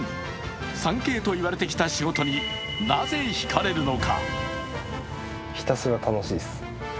３Ｋと言われてきた仕事になぜひかれるのか。